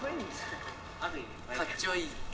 かっちょいい。